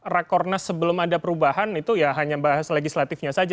rakornas sebelum ada perubahan itu ya hanya bahas legislatifnya saja